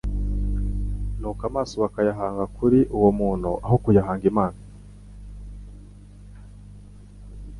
Nuko amaso bakayahanga kuri uwo muntu aho kuyahanga Imana,